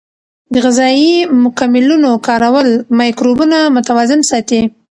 د غذایي مکملونو کارول مایکروبونه متوازن ساتي.